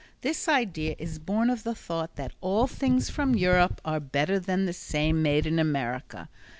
This idea is born of the thought that all things from Europe are better than the same made in America.